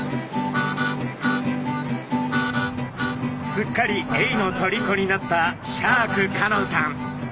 すっかりエイのとりこになったシャーク香音さん。